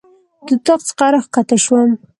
د اطاق څخه راکښته شوم.